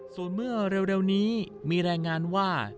ส่วนเมื่อเร็วนี้มีรายงานว่า